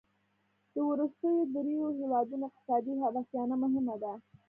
د وروستیو دریوو هېوادونو اقتصادي هوساینه مهمه ده.